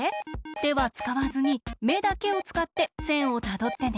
てはつかわずにめだけをつかってせんをたどってね。